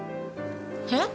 え？